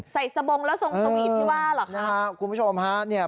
ใส่สะบมแล้วสงฆ์สงอีทที่ว่าหรอครับนะฮะคุณผู้ชมฮะเนี่ย